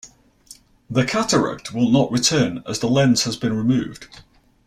The cataract will not return, as the lens has been removed.